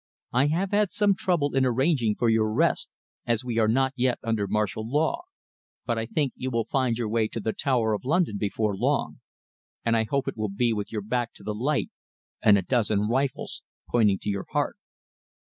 I have had some trouble in arranging for your arrest, as we are not yet under martial law, but I think you will find your way to the Tower of London before long, and I hope it will be with your back to the light and a dozen rifles pointing to your heart."